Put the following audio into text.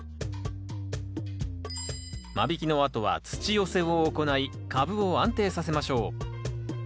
間引きのあとは土寄せを行い株を安定させましょう。